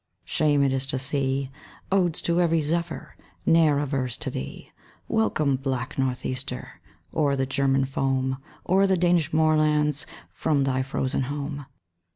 Shame it is to see Odes to every zephyr; Ne'er a verse to thee. Welcome, black North easter! O'er the German foam; O'er the Danish moorlands, From thy frozen home.